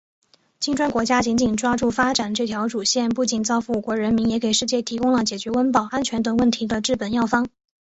金砖国家紧紧抓住发展这条主线，不仅造福五国人民，也给世界提供了解决温饱、安全等问题的治本药方。